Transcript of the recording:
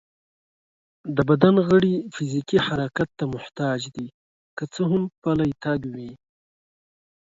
د بدن غړي فزيکي حرکت ته محتاج دي، که څه هم پلی تګ وي